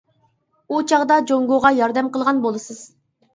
ئۇ چاغدا جۇڭگوغا ياردەم قىلغان بولىسىز.